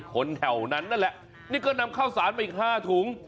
คนแถวนั้นนั่นแหละนี่ก็นำข้าวสารมาอีก๕ถุง